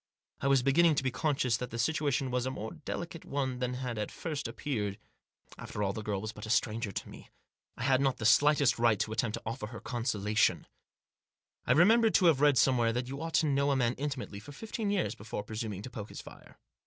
I was beginning to be conscious that the situation was a more delicate one than had at first appeared. After all, the girl was but a stranger to me. *3 Digitized by 1U THE JOSS. I had not the slightest right to attempt to offer her consolation. I remembered to have read somewhere that you ought to know a man intimately for fifteen years before presuming to poke his fire.